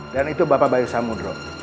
dan itu bapak bayu samudro